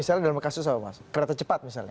misalnya dalam kasus sama mas kereta cepat misalnya